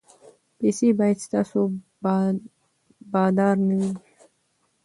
پیسې باید ستاسو بادار نه وي.